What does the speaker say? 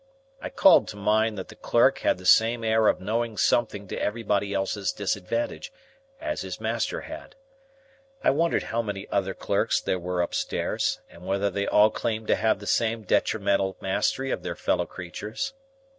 I called to mind that the clerk had the same air of knowing something to everybody else's disadvantage, as his master had. I wondered how many other clerks there were upstairs, and whether they all claimed to have the same detrimental mastery of their fellow creatures.